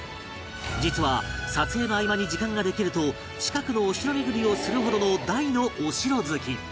実は撮影の合間に時間ができると近くのお城巡りをするほどの大のお城好き